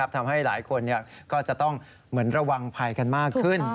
ทำให้หลายคนก็จะต้องเหมือนระวังภัยกันมากขึ้น